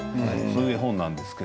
そういう本です。